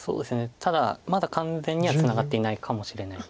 ただまだ完全にはツナがっていないかもしれない。